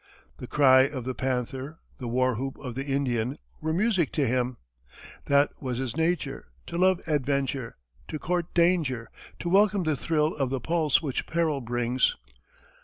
The cry of the panther, the war whoop of the Indian, were music to him; that was his nature to love adventure, to court danger, to welcome the thrill of the pulse which peril brings.